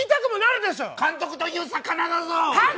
監督という魚だぞ。